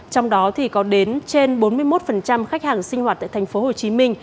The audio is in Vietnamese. trong đó thì có đến trên bốn mươi một khách hàng sinh hoạt tại tp hcm